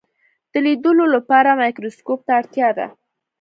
د لیدلو لپاره مایکروسکوپ ته اړتیا ده.